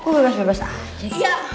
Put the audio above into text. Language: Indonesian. gue bebas bebas aja